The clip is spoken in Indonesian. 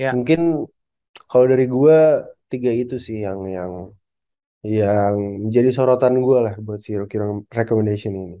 mungkin kalau dari gue tiga itu sih yang menjadi sorotan gue lah buat si rocky recommendation ini